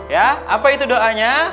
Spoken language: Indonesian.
ya apa itu doanya